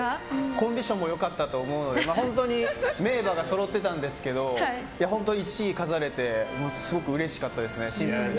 コンディションも良かったと思うので名馬がそろってたんですけど本当１位飾れてすごくうれしかったです。